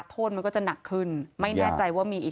โทษมันก็จะหนักขึ้นไม่แน่ใจว่ามีอีก